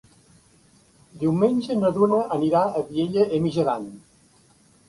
Diumenge na Duna anirà a Vielha e Mijaran.